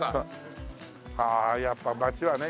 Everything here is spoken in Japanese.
ああやっぱ街はね